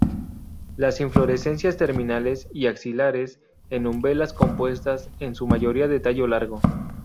Las inflorescencias terminales y axilares, en umbelas compuestas, en su mayoría de tallo largo.